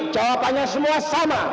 jawabannya semua sama